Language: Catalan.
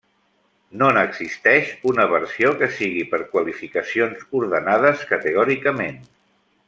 No n'existeix una versió que sigui per qualificacions ordenades categòricament.